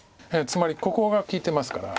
つまりここが利いてますから。